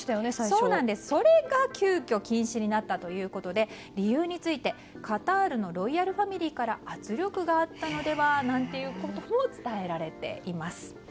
それが急きょ禁止になったということで理由について、カタールのロイヤルファミリーから圧力があったのでは？なんていうことも伝えられています。